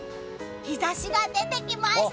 日差しが出てきました！